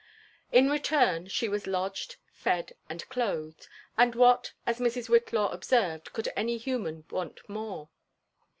lo return, she was lodged, fed, and clothed ; and what, as Mrs. Whitlaw observed, could Any human want more?"